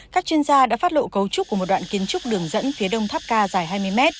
các chuyên gia đã phát lộ cấu trúc của một đoạn kiến trúc đường dẫn phía đông tháp ca dài hai mươi m